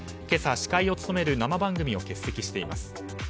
今朝、司会を務める生番組を欠席しています。